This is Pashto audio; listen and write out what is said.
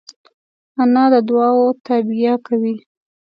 انا د دعاوو تابیا کوي